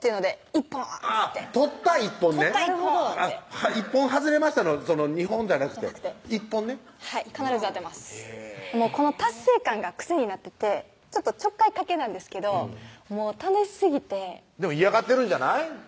イッポーン！」って「１本外れました」の２本ではなくて一本ねはい必ず当てますこの達成感が癖になっててちょっとちょっかいかけるんですけどもう楽しすぎてでも嫌がってるんじゃない？